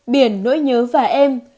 biển nỗi nhớ và em